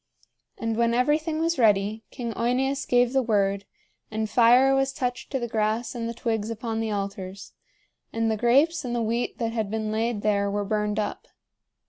And when everything was ready, King OEneus gave the word, and fire was touched to the grass and the twigs upon the altars; and the grapes and the wheat that had been laid there were burned up.